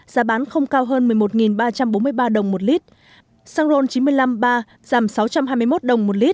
giá bán không cao hơn một mươi một ba trăm bốn mươi ba đồng một lít xăng ron chín trăm năm mươi ba giảm sáu trăm hai mươi một đồng một lít